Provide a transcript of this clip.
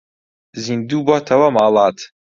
زیندوو بۆتەوە ماڵات